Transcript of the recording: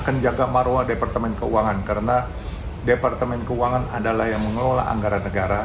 kenjaga marwa departemen keuangan karena departemen keuangan adalah yang mengelola anggaran negara